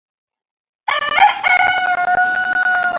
Kongo inaongeza zaidi ya watu milioni tisini